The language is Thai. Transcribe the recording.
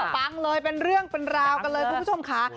ฟังเลยเป็นเรื่องเป็นราวกันเลยคุณผู้ชมค่ะ